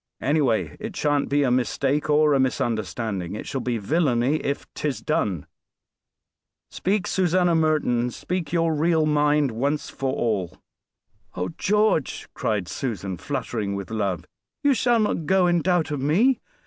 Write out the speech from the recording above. "Anyway, it shan't be a _mis_take or a _mis_understanding; it shall be villainy if 'tis done. Speak, Susanna Merton, and speak your real mind once for all." "Oh! George," cried Susan, fluttering with love; "you shall not go in doubt of me.